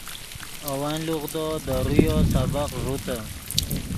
اے ون لوغدو دے رویو سبق ݱوتے